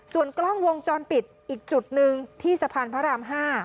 ส่วนกล้องวงจรปิดอีกจุดหนึ่งที่สะพานพระราม๕